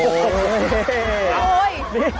นี่